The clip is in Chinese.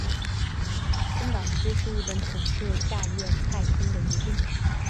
真冈郡是日本统治下桦太厅的一郡。